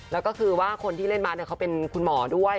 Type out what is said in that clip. แล้วก็คือว่าคนที่เล่นมาร์เขาเป็นคุณหมอด้วย